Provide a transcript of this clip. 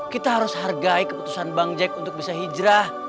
kita harus hargai keputusan bang jack untuk bisa hijrah